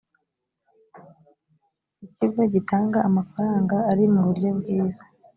ikigo gitanga amafaranga ari mu buryo bwiza